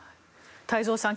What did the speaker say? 太蔵さん